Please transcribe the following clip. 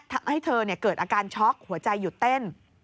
ทำให้เธอเกิดอาการช็อกหัวใจหยุดเต้น